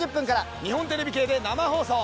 日本テレビ系で生放送！